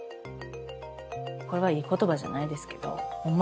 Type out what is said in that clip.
これはいい言葉じゃないですけどホンマ